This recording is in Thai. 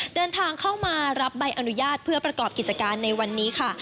เดินทางเข้ามารับใบอนุญาตเพื่อประกอบกิจการในวันนี้ค่ะ